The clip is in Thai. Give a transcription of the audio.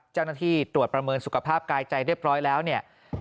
เจ้าหน้าที่ตรวจประเมินสุขภาพกายใจเรียบร้อยแล้วเนี่ย